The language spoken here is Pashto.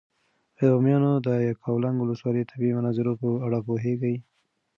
ایا د بامیانو د یکاولنګ ولسوالۍ د طبیعي مناظرو په اړه پوهېږې؟